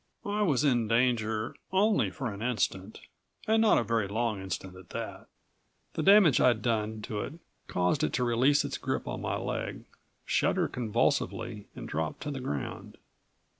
I was in danger only for an instant, and not a very long instant at that. The damage I'd done to it caused it to release its grip on my leg, shudder convulsively and drop to the ground.